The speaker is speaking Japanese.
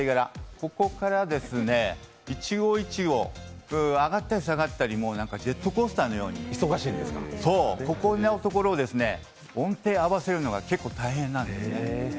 ここから１音１音上がったり下がったりジェットコースータのようにここのところ、音程合わせるのが結構大変なんですね。